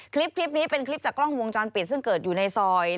คลิปนี้เป็นคลิปจากกล้องวงจรปิดซึ่งเกิดอยู่ในซอย